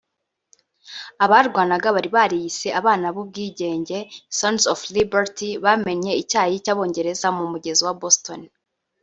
abarwanaga bari bariyise abana b’ubwigenge (Sons of Liberty) bamennye icyayi cy’abongereza mu mugezi wa Boston